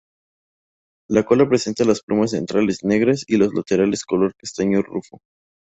La cola presenta las plumas centrales negras y las laterales color castaño rufo.